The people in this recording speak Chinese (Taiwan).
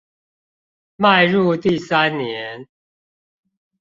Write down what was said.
邁入第三年